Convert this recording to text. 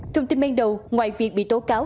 thông tin ban đầu ngoài việc bị tố cáo